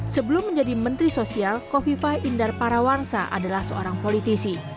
sebelum menjadi menteri sosial kofifah indar parawansa adalah seorang politisi